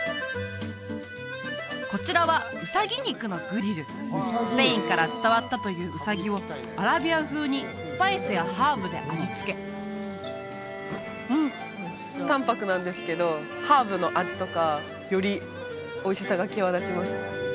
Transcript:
こちらはウサギ肉のグリルスペインから伝わったというウサギをアラビア風にスパイスやハーブで味付けうん淡泊なんですけどハーブの味とかよりおいしさが際立ちます